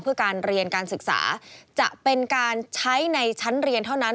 เพื่อการเรียนการศึกษาจะเป็นการใช้ในชั้นเรียนเท่านั้น